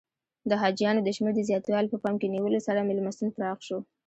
د حاجیانو د شمېر د زیاتوالي په پام کې نیولو سره میلمستون پراخ شو.